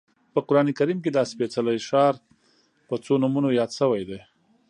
په قران کریم کې دا سپېڅلی ښار په څو نومونو یاد شوی دی.